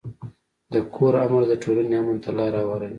د کور امن د ټولنې امن ته لار هواروي.